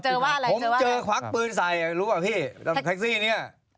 ผมเจอควักปืนใส่อ่ะรู้ป่ะพี่แต่แท็กซี่เนี่ย